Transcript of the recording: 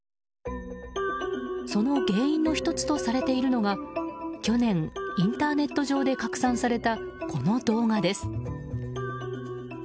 その原因の１つとされているのが去年、インターネット上で拡散された、この動画です。